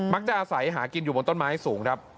จะอาศัยหากินอยู่บนต้นไม้สูงครับ